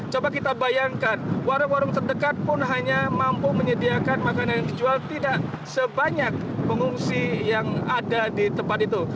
coba kita bayangkan warung warung terdekat pun hanya mampu menyediakan makanan yang dijual tidak sebanyak pengungsi yang ada di tempat itu